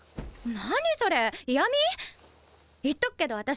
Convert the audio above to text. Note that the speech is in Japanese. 何それイヤミ⁉言っとくけど私